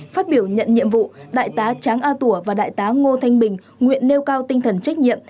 phát biểu nhận nhiệm vụ đại tá tráng a tủa và đại tá ngô thanh bình nguyện nêu cao tinh thần trách nhiệm